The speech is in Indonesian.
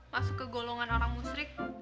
masuk ke golongan orang musik